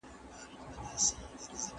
زه به اوږده موده مړۍ خوړلي وم،